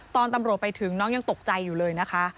ตอนตำรวจไปถึงน้องยังตกใจอยู่เลยนะคะ